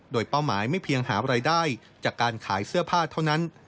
โดยเป้าหมายไม่เพียงหารายได้จากการขายเสื้อผ้าเท่านั้น